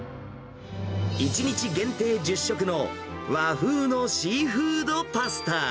１日限定１０食の和風のシーフードパスタ。